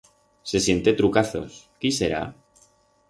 Se siente trucazos, qui será?